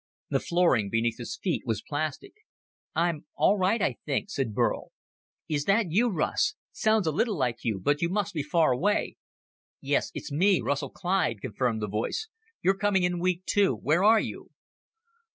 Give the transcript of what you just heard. The flooring beneath his feet was plastic. "I'm all right, I think," said Burl. "Is that you, Russ? Sounds a little like you, but you must be far away." "Yes, it's me, Russell Clyde," confirmed the voice. "You're coming in weak, too. Where are you?"